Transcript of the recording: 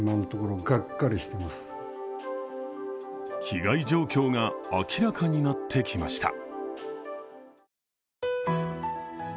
被害状況が明らかになってきました。